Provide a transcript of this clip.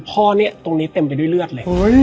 พ่อเนี่ยตรงนี้เต็มไปด้วยเลือดเลย